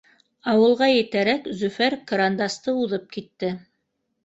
Ауылға етәрәк, Зөфәр кырандасты уҙып китте